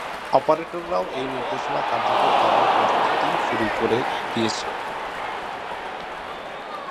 অপারেটররাও এই নির্দেশনা কার্যকর করার প্রস্তুতি শুরু করে দিয়েছে।